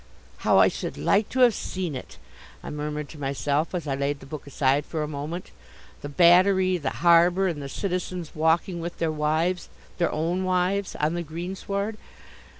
"How I should like to have seen it!" I murmured to myself as I laid the book aside for a moment. "The Battery, the harbour and the citizens walking with their wives, their own wives, on the greensward."